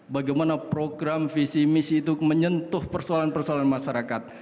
bagaimana program visi misi itu menyentuh persoalan persoalan masyarakat